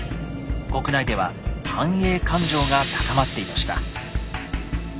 国内では「反英感情」が高まっていました。